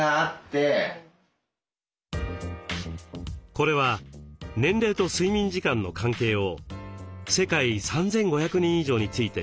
これは年齢と睡眠時間の関係を世界３，５００人以上について調べたもの。